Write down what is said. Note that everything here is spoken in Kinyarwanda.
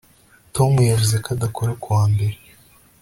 Tom yavuze ko adakora ku wa mbere